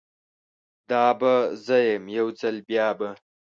دا به زه یم، یوځل بیابه